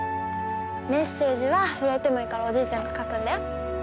メッセージは震えてもいいからおじいちゃんが書くんだよ。